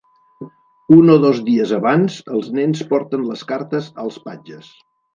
Un o dos dies abans els nens porten les cartes als patges.